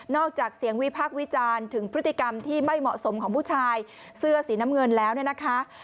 จากเสียงวิพากษ์วิจารณ์ถึงพฤติกรรมที่ไม่เหมาะสมของผู้ชายเสื้อสีน้ำเงินแล้วเนี่ยนะคะ